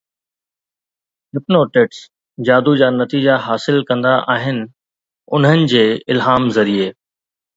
hypnotists جادو جا نتيجا حاصل ڪندا آهن انهن جي الهام ذريعي